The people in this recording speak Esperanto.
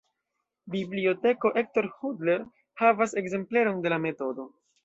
Biblioteko Hector Hodler havas ekzempleron de la metodo.